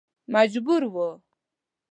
مجبور و.